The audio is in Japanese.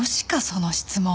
その質問